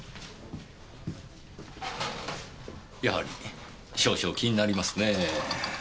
やはり少々気になりますねぇ。